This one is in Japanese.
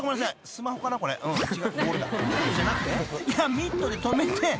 ［ミットで止めて］